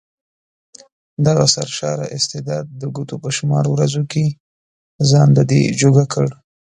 دغه سرشاره استعداد د ګوتو په شمار ورځو کې ځان ددې جوګه کړ.